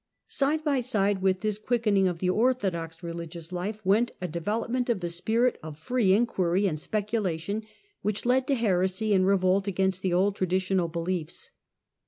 Side by side with this quickening of the orthodox Scholastic religious life went a development of the spirit of free thought enquiry and speculation, which led to heresy and revolt against the old traditional beliefs.